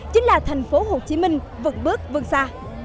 chính là thành phố hồ chí minh vượt bước vươn xa